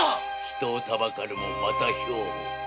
人をたばかるもまた兵法。